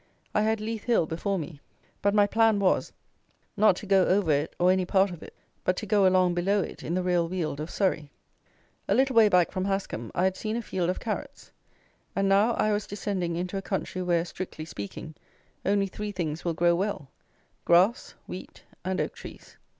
I had Leith Hill before me; but my plan was, not to go over it or any part of it, but to go along below it in the real Weald of Surrey. A little way back from Hascomb, I had seen a field of carrots; and now I was descending into a country where, strictly speaking, only three things will grow well, grass, wheat, and oak trees.